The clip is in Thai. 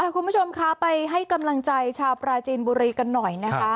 คุณผู้ชมคะไปให้กำลังใจชาวปราจีนบุรีกันหน่อยนะคะ